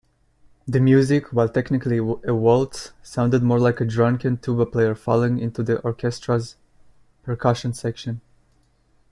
The music, while technically a waltz, sounded more like a drunken tuba player falling into the orchestra's percussion section.